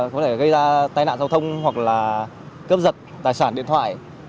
có thể gây ra tai nạn giao thông hoặc là cướp giật tài sản điện thoại